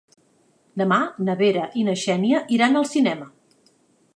Demà na Vera i na Xènia iran al cinema.